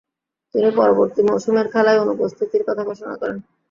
তিনি পরবর্তী মৌসুমের খেলায় অনুপস্থিতির কথা ঘোষণা করেন।